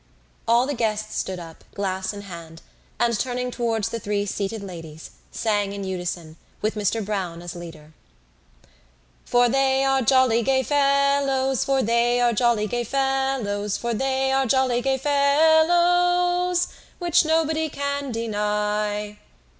All the guests stood up, glass in hand, and turning towards the three seated ladies, sang in unison, with Mr Browne as leader: For they are jolly gay fellows, For they are jolly gay fellows, For they are jolly gay fellows, Which nobody can deny.